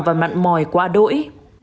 và mặn mòi qua đỗi